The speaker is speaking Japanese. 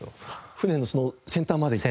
船の先端まで行って？